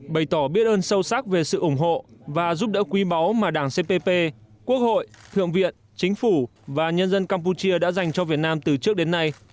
bày tỏ biết ơn sâu sắc về sự ủng hộ và giúp đỡ quý báu mà đảng cpp quốc hội thượng viện chính phủ và nhân dân campuchia đã dành cho việt nam từ trước đến nay